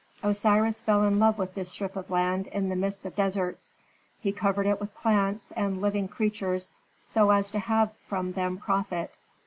Osiris fell in love with this strip of land in the midst of deserts; he covered it with plants and living creatures, so as to have from them profit.